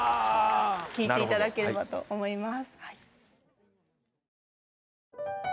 聴いていただければと思います。